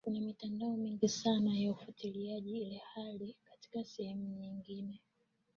kuna mitandao mingi sana ya ufuatiliaji ilhali katika sehemu nyingine